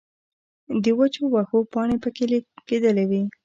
د وچو وښو پانې پکښې لګېدلې وې